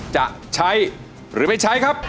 จะใช้หรือไม่ใช้ครับ